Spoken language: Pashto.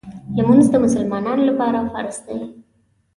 لمونځ د مسلمانانو لپاره فرض دی.